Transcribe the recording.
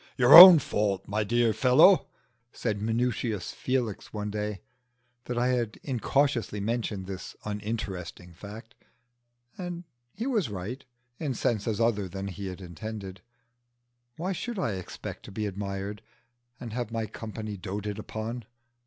"Your own fault, my dear fellow!" said Minutius Felix, one day that I had incautiously mentioned this uninteresting fact. And he was right in senses other than he intended. Why should I expect to be admired, and have my company doated on?